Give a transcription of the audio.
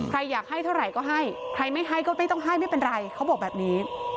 ใครอยากให้เท่าไหร่ก็ให้ใครไม่ให้ก็ไม่ต้องให้ไม่เป็นไรเขาบอกแบบนี้